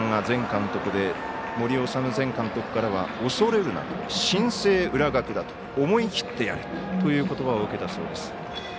お父さんが前監督で森士前監督からは恐れるなと、新生浦学だと思い切ってやれということばを受けたそうです。